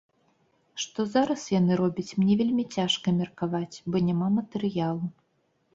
Што зараз яны робяць, мне вельмі цяжка меркаваць, бо няма матэрыялу.